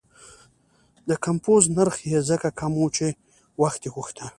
د کمپوز نرخ یې ځکه کم و چې وخت یې غوښته.